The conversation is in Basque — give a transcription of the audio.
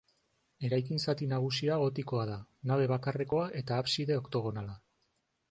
Eraikin zati nagusia gotikoa da; nabe bakarrekoa eta abside oktogonala.